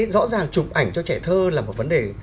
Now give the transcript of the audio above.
rõ ràng chụp ảnh cho trẻ thơ là một vấn đề